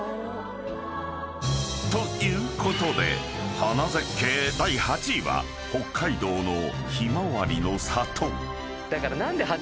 ［ということで花絶景第８位は北海道のひまわりの里］だから。